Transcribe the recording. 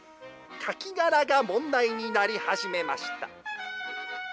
カキ殻が問題になり始めました。